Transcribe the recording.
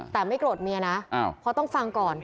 แต่ไม่โกรธเมียนะเพราะต้องฟังก่อน